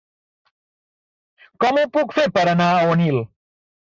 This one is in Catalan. Com ho puc fer per anar a Onil?